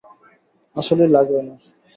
আসলেই লাগে ওনার।